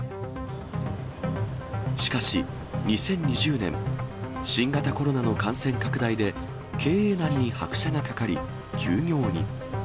しかし、２０２０年、新型コロナの感染拡大で、経営難に拍車がかかり、休業に。